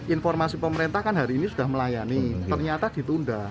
informasi pemerintah kan hari ini sudah melayani ternyata ditunda